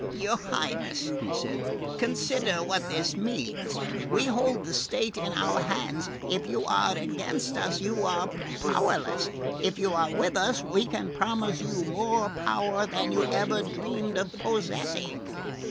"Your Highness," he said, "consider what this means. We hold the state in our hands. If you are against us you are powerless. If you are with us we can promise you more power than you ever dreamed of possessing."